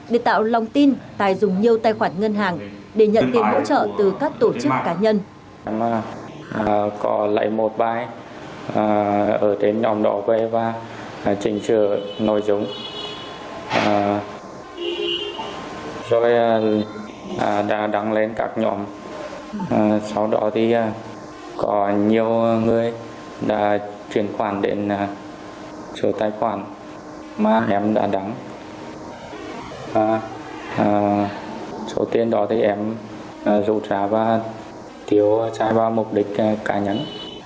để tạo lòng tin tài dùng nhiều tài khoản ngân hàng để nhận tiền hỗ trợ từ các tổ chức cá nhân